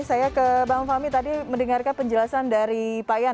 saya ke bang fahmi tadi mendengarkan penjelasan dari pak ian